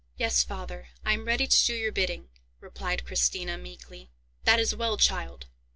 "Yes, father, I am ready to do your bidding," replied Christina, meekly. "That is well, child.